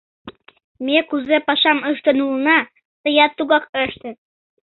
Ме кузе пашам ыштен улына, тыят тугак ыште.